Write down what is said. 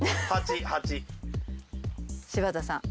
柴田さん。